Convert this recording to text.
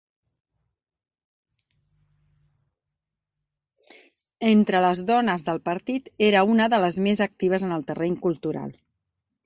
Entre les dones del partit era una de les més actives en el terreny cultural.